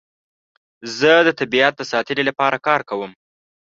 زه د طبیعت د ساتنې لپاره کار کوم.